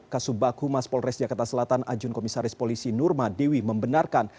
kasubag humas polres jakarta selatan ajun komisaris polisi nurma dewi membenarkan